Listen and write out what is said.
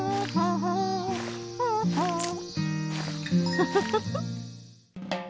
フフフフ。